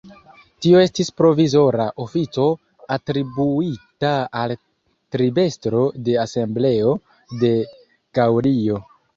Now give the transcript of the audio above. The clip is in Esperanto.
Tio estis provizora ofico atribuita al tribestro de Asembleo de Gaŭlio.